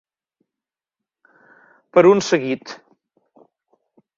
Per un seguit.